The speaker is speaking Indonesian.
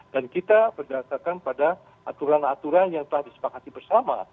dan kita berdasarkan pada aturan aturan yang telah disepakati bersama